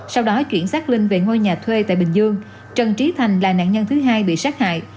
sau đó chuyển xác linh về ngôi nhà thuê tại bình dương trần trí thành là nạn nhân thứ hai bị sát hại